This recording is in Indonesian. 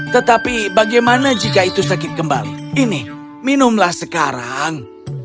tetapi bagaimana jika itu sakit kembali ini minumlah sekarang